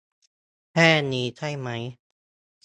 แค่นี้ใช่มั้ย ?